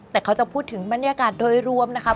แต่เขาจะพูดถึงบรรยากาศโดยรวมนะครับ